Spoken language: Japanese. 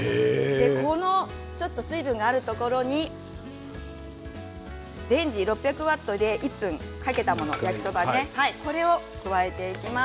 この水分がちょっとあるところにレンジ６００ワットで１分かけた焼きそばを加えていきます。